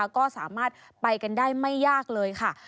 ก็สามารถไปกันได้ไม่ยากเลยค่ะ